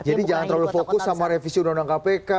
jadi jangan terlalu fokus sama revisi undang undang kpk